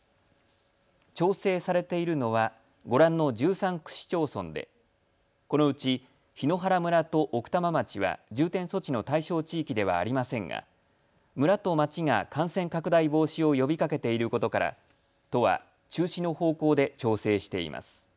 調整されているのはご覧の１３区市町村でこのうち檜原村と奥多摩町は重点措置の対象地域ではありませんが村と町が感染拡大防止を呼びかけていることから都は中止の方向で調整しています。